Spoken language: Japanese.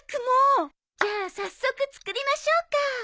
じゃあ早速作りましょうか。